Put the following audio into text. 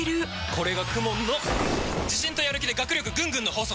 これがＫＵＭＯＮの自信とやる気で学力ぐんぐんの法則！